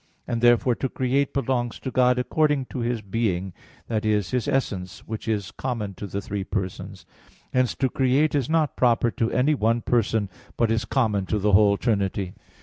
And therefore to create belongs to God according to His being, that is, His essence, which is common to the three Persons. Hence to create is not proper to any one Person, but is common to the whole Trinity.